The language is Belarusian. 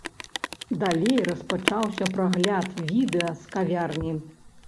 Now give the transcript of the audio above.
Далей распачаўся прагляд відэа з кавярні.